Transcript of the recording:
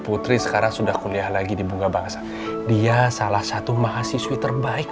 putri sekarang sudah kuliah lagi di bunga bangsa dia salah satu mahasiswi terbaik